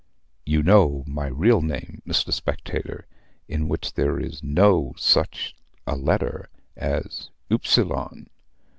"You know my real name, Mr. Spectator, in which there is no such a letter as HUPSILON.